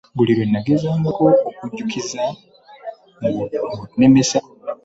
Buli bwe nagezangako okukujjukiza ng'onnemesa!